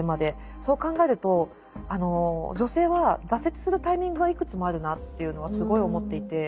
そう考えると女性は挫折するタイミングはいくつもあるなというのはすごい思っていて。